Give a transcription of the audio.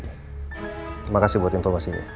terima kasih buat informasinya